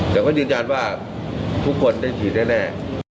เดี๋ยวก็ดินญาติว่าทุกคนได้ถือได้แน่